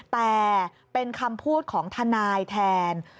แต่เป็นคำพูดของทนายแทน